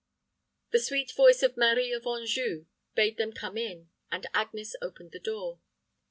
The sweet voice of Marie of Anjou bade them come in, and Agnes opened the door.